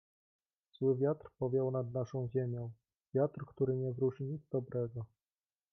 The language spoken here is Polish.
"Zły wiatr powiał nad naszą ziemią, wiatr, który nie wróży nic dobrego."